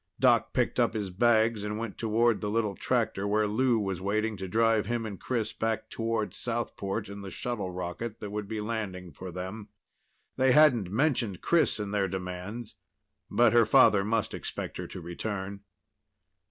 Doc picked up his bags and went toward the little tractor where Lou was waiting to drive him and Chris back toward Southport and the shuttle rocket that would be landing for them. They hadn't mentioned Chris in their demands, but her father must expect her to return.